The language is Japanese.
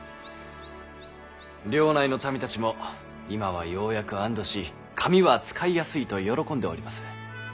領内の民たちも今はようやく安堵し紙は使いやすいと喜んでおりまする。